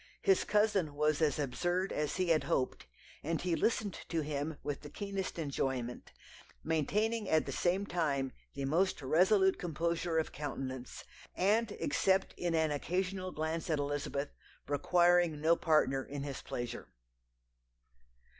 His cousin was as absurd as he had hoped, and he listened to him with the keenest enjoyment, maintaining at the same time the most resolute composure of countenance, and except in an occasional glance at Elizabeth, requiring no partner in his pleasure.